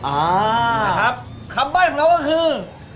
อ่านะครับคำใบ้ของเราก็คือ